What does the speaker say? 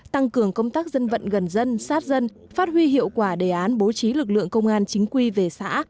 tăng cường công tác dân vận gần dân sát dân phát huy hiệu quả đề án bố trí lực lượng công an chính quy về xã